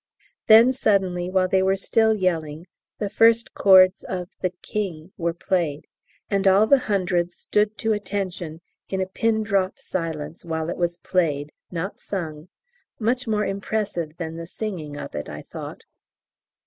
Then suddenly, while they were still yelling, the first chords of the "King" were played, and all the hundreds stood to attention in a pin drop silence while it was played not sung much more impressive than the singing of it, I thought.